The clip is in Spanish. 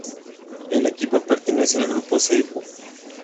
El equipo pertenece al Grupo Seibu.